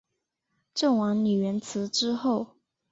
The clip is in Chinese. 郑王李元懿之后。